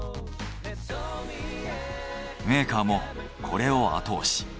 メーカーもこれを後押し。